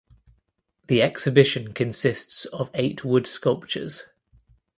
The exhibition consists of eight wood sculptures.